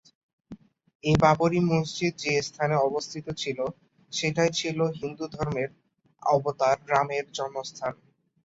এ বাবরি মসজিদ যে স্থানে অবস্থিত ছিল সেটাই ছিল হিন্দু ধর্মের অবতার রামের জন্মস্থান।